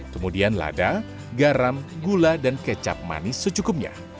kemudian lada garam gula dan kecap manis secukupnya